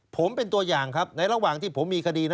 ผมเป็นตัวอย่างครับหลังที่ผมมีคดี